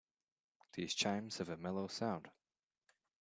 These chimes have a mellow sound.